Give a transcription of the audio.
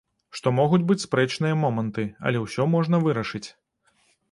Што могуць быць спрэчныя моманты, але ўсё можна вырашыць.